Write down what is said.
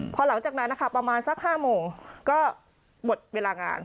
พอหลังจากนั้นนะคะประมาณสัก๕โมงก็หมดเวลางาน